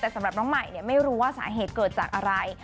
แต่สำหรับน้องใหม่ไม่รู้ว่าสาเหตุเกิดจากอะไร